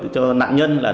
cho nạn nhân để mang